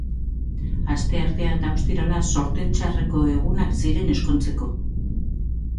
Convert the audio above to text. Asteartea eta ostirala zorte txarreko egunak ziren ezkontzeko.